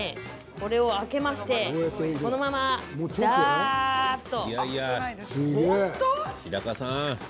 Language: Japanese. これを開けましてこのまま、だーっと。